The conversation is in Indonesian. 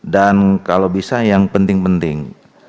dan kalau bisa yang penting penting